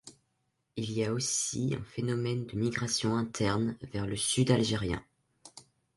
Il y a aussi un phénomène de migrations internes vers le Sud-algérien.